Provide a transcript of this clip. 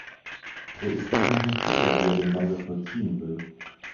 Er ist sich noch nicht sicher, wie er den Wandel vollziehen will.